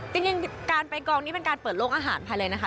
จริงการไปกองนี้เป็นการเปิดโลกอาหารภายในนะคะ